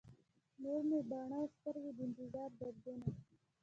نور مې باڼه او سترګي، د انتظار دردونه